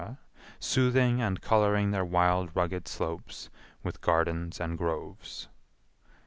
soothing and coloring their wild rugged slopes with gardens and groves.